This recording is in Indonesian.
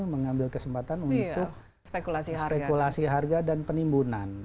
mengambil kesempatan untuk spekulasi harga dan penimbunan